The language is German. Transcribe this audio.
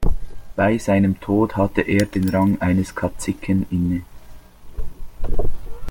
Bei seinem Tod hatte er den Rang eines Kaziken inne.